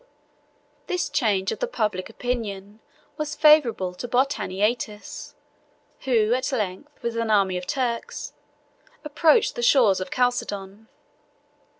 This change of the public opinion was favorable to Botaniates, who at length, with an army of Turks, approached the shores of Chalcedon.